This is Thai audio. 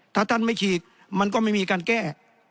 ถ้าท่านไม่ฉีกมันก็ไม่มีการแก้